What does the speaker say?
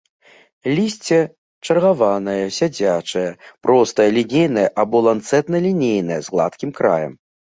Лісце чаргаванае, сядзячае, простае, лінейнае або ланцэтна-лінейнае, з гладкім краем.